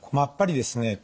やっぱりですね